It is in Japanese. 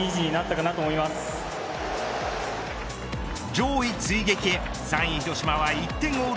上位追撃へ３位、広島は１点を追う